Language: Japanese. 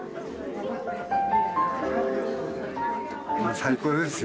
最高ですよ。